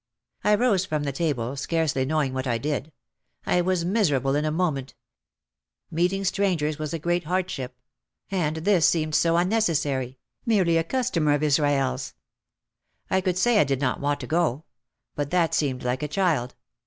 I rose from the table, scarcely knowing what I did ; I was miserable in a moment. Meet OUT OF THE SHADOW 221 ing strangers was a great hardship. And this seemed so unnecessary, merely a customer of Israel's. I could say I did not want to go. But that seemed like a child.